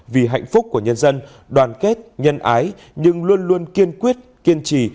vì hạnh phúc của nhân dân đoàn kết nhân ái nhưng luôn luôn kiên quyết kiên trì